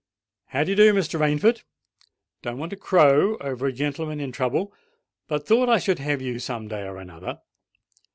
How d'ye do, Mr. Rainford! Don't want to crow over a gentleman in trouble—but thought I should have you some day or another."